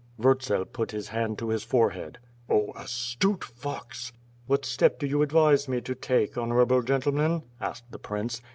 Vurtsel put his hand to his forehead: "0 astute fox!" "What step do you advise me to take, honorable gentle men?" asked the prince.